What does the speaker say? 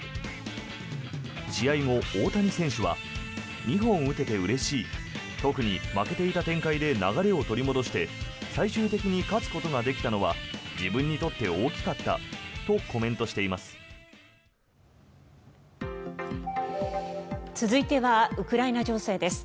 試合後、大谷選手は２本打ててうれしい特に負けていた展開で流れを取り戻して最終的に勝つことができたのは自分にとって大きかったとコメントしています。